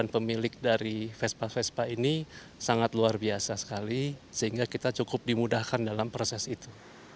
pemilik dari vespa vespa ini sangat luar biasa sekali sehingga kita cukup dimudahkan dalam proses itu